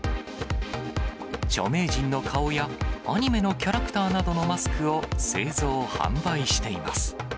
著名人の顔やアニメのキャラクターなどのマスクを、製造・販売しています。